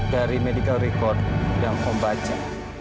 dari rekor medikal yang kamu baca